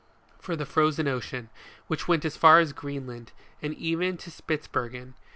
for the Frozen Ocean, which went as far as Greenland, and even to Spitzbergen.